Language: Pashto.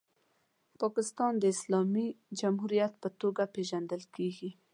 پاکستان د اسلامي جمهوریت په توګه پیژندل کیږي.